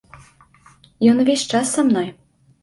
Ён увесь час са мной.